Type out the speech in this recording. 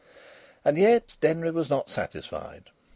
And yet Denry was not satisfied.